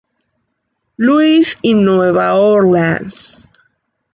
Louis, y Nueva Orleans.